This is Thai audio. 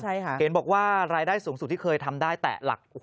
เห็นบอกว่ารายได้สูงสุดที่เคยทำได้แต่หลัก๒ล้าน